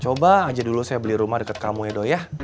coba aja dulu saya beli rumah deket kamu ya doi ya